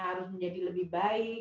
harus menjadi lebih baik